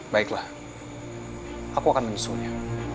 baiklah aku akan menyusulnya